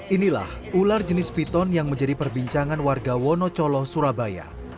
inilah ular jenis piton yang menjadi perbincangan warga wonocolo surabaya